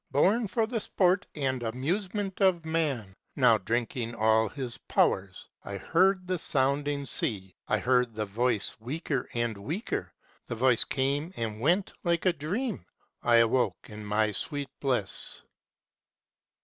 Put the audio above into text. Born for the sport and amusement of Man, now drinking all his powers, I heard the sounding sea, I heard the voice weaker and weaker, The voice came and went like a dream : I awoke in my sweet bliss.